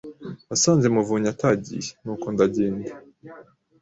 Nasanze Muvunnyi atagiye, nuko ndagenda.